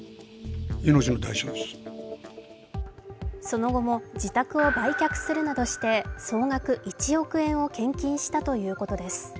その後も自宅を売却するなどして、総額１億円を献金したということです。